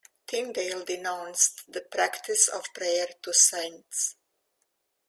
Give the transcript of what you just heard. Tyndale denounced the practice of prayer to saints.